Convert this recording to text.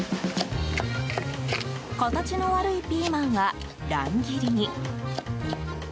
形の悪いピーマンは乱切りに。